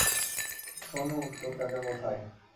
সোনু, তোর কাকা কোথায়?